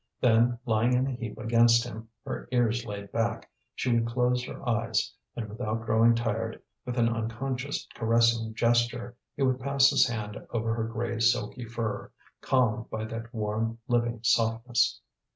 Then, lying in a heap against him, her ears laid back, she would close her eyes; and without growing tired, with an unconscious caressing gesture, he would pass his hand over her grey silky fur, calmed by that warm living softness.